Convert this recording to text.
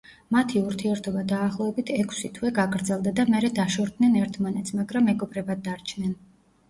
მათი ურთიერთობა დაახლოებით ექვსი თვე გაგრძელდა და მერე დაშორდნენ ერთმანეთს, მაგრამ მეგობრებად დარჩნენ.